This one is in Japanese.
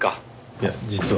いや実は。